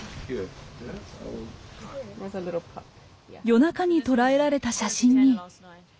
夜中に捉えられた写真に。